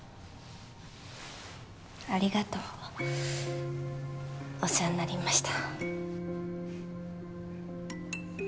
ありがとうお世話になりました